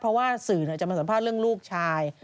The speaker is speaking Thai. เพราะว่าสื่อจะมาสัมภาษณ์เรื่องลูกชาย